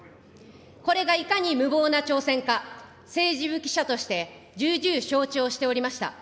これがいかに無謀な挑戦か、政治部記者として重々承知をしておりました。